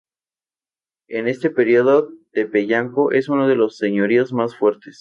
En este periodo Tepeyanco es uno de los señoríos más fuertes.